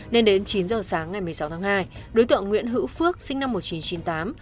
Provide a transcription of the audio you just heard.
nên đến chín giờ sáng ngày một mươi sáu tháng hai đối tượng nguyễn hữu phước sinh năm một nghìn chín trăm chín mươi tám